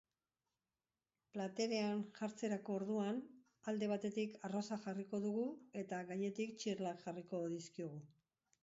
Platerean jartzerako orduan alde batetik arroza jarriko dugu eta gainetik txirlak jarriko dizkiogu.